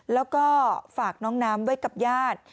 แล้วก็ฝากน้องน้ำไว้กับญาติ